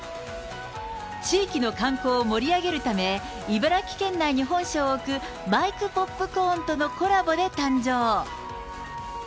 地域の観光を盛り上げるため、茨城県内に本社を置くマイクポップコーンとのコラボで誕生。